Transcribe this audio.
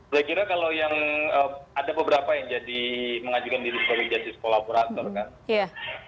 saya kira kalau yang ada beberapa yang jadi mengajukan diri sebagai justice kolaborator kan